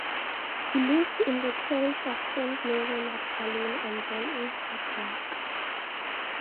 He lived in the parish of St Mary Magdalene and then in Southwark.